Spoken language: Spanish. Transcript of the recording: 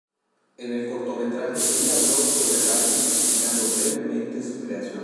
En el cortometraje, ella habló sobre el álbum, explicando brevemente su creación.